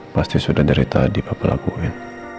pasti sudah dari tadi papa lakuin